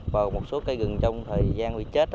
vào một số cây rừng trong thời gian bị chết